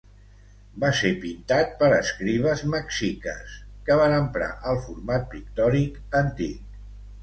Va ser pintat per escribes mexiques, que van emprar el format pictòric antic.